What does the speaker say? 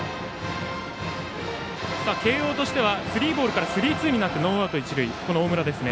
慶応としてはスリーボールからスリーツーになってノーアウト一塁。